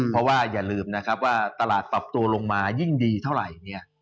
แต่อย่าลืมครับว่าตลาดปรับตัวลงมายิ่งดีเท่าไหร่